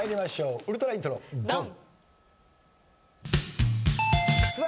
ウルトライントロドン！